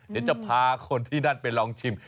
เดี๋ยวจะพาคนที่นั่นไปลองชิม